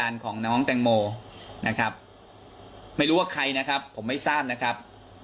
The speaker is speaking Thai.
ของน้องแตงโมนะครับไม่รู้ว่าใครนะครับผมไม่ทราบนะครับ